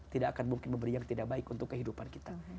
tidak akan mungkin memberi yang tidak baik untuk kehidupan kita